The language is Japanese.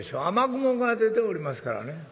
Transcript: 雨雲が出ておりますからね。